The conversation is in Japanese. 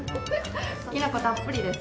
きな粉たっぷりです。